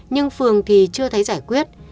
nhưng phường thì chưa thấy giải quyết